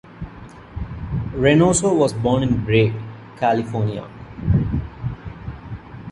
Reynoso was born in Brea, California.